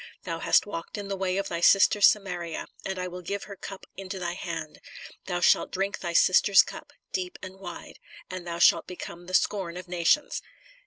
... Thou hast walked in the way of thy sister Samaria, and I will give her cup into thy hand. Thou shalt drink thy sister s cup, deep and wide, and thou shalt become the scorn of nations."